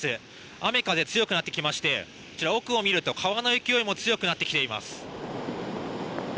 雨風、強くなってきまして奥を見ると川の勢いも強くなってきています。